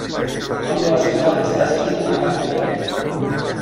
El nom de la ciutat està escrit en la part inferior.